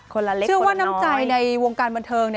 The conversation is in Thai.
คนละเล็กคนละน้อยชื่อว่าน้ำใจในวงการบันเทิง